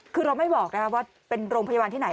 คือเราไม่บอกว่าเป็นโรงพยาบาลที่ไหน